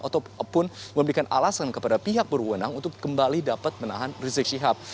ataupun memberikan alasan kepada pihak berwenang untuk kembali dapat menahan rizik syihab